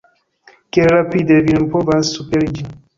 Kiel rapide vi nun povas superiĝi!